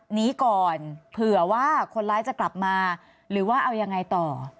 หนีก่อนเผื่อว่าคนร้ายจะกลับมาหรือว่าเอายังไงต่อ